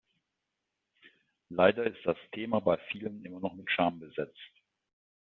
Leider ist das Thema bei vielen immer noch mit Scham besetzt.